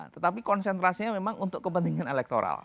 tetapi konsentrasinya memang untuk kepentingan elektoral